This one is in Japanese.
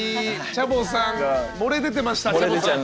チャボさん漏れ出てましたチャボさん。